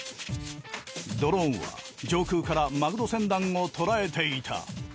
ドローンは上空からマグロ船団をとらえていた。